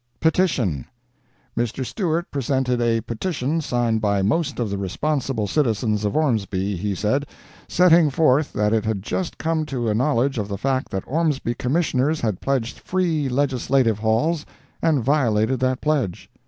] PETITION Mr. Stewart presented a petition, signed by most of the responsible citizens of Ormsby, he said, setting forth that it had just come to a knowledge of the fact that the Ormsby Commissioners had pledged free Legislative Halls, and violated that pledge.